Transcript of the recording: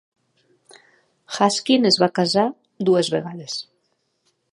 Haskin es va casar dues vegades.